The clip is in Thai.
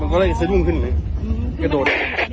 มันก็เลยสลุ่มขึ้นเลยกระโดด